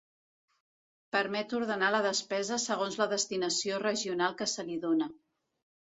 Permet ordenar la despesa segons la destinació regional que se li dóna.